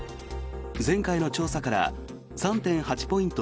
前回の調査から３．８ポイント